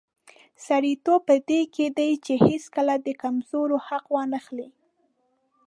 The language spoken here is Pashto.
سړیتوب په دې کې دی چې هیڅکله د کمزوري حق وانخلي.